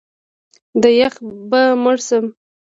د یخه به مړ شم!